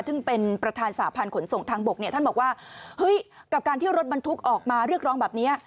ซึ่งเป็นประธานสาบพันธ์ขนส่งทางบกเนี่ย